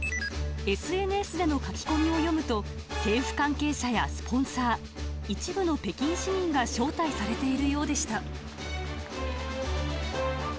ＳＮＳでの書き込みを読むと、政府関係者やスポンサー、一部の北京市民が招待されているようでした。